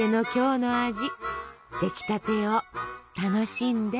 できたてを楽しんで！